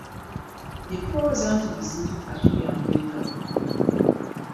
Bye tulowooza nti bizibu ate byangu eri Katonda.